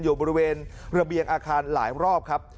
อยู่บริเวณระเบียงอาคารหลายรอบครับ